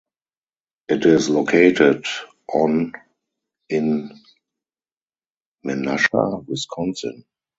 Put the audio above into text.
It is located on in Menasha, Wisconsin.